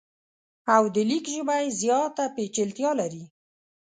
او د لیک ژبه یې زیاته پیچلتیا لري.